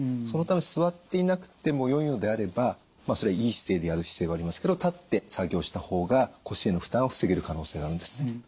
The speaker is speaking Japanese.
そのため座っていなくてもよいのであればまあそりゃいい姿勢でやる必要がありますけど立って作業したほうが腰への負担を防げる可能性はあるんですね。